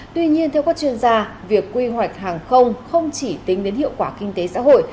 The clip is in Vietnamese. tuy nhiên theo các chuyên gia việc quy hoạch hàng không không chỉ tính đến hiệu quả kinh tế xã hội